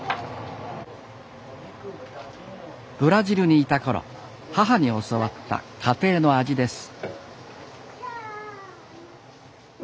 ブラジルにいた頃母に教わった家庭の味です。